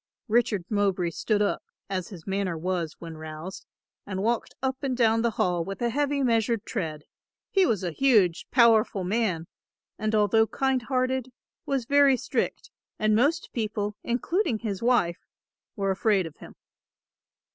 Richard Mowbray stood up, as his manner was when roused, and walked up and down the hall with a heavy measured tread; he was a huge, powerful man, and although kind hearted, was very strict and most people, including his wife, were afraid of him.